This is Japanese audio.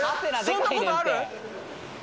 そんなことある？